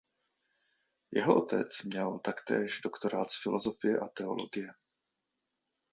Jeho otec měl taktéž doktorát z filosofie a teologie.